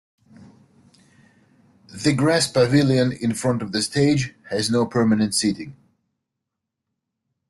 The grass pavilion in front of the stage has no permanent seating.